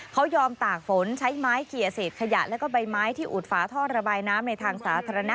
เขายอมตากฝนใช้ไม้เขียเศษขยะแล้วก็ใบไม้ที่อุดฝาท่อระบายน้ำในทางสาธารณะ